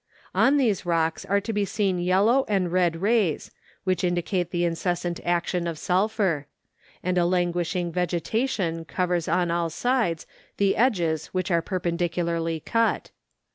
On these rocks are to be seen yellow and red rays, which indicate the incessant action of sulphur; and a languishing vegetation covers on all sides the edges which are perpendicularly cut.